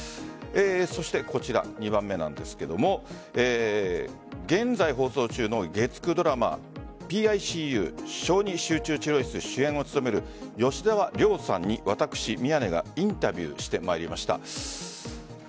そして、こちら２番目なんですが現在放送中の月９ドラマ「ＰＩＣＵ小児集中治療室」主演を務める吉沢亮さんに私、宮根がインタビューしてまいりました。